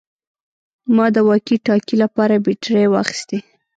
ما د واکي ټاکي لپاره بیټرۍ واخیستې